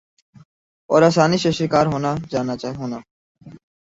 اور آسانی سے شکار ہونا جانا ہونا ۔